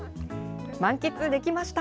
満喫できました。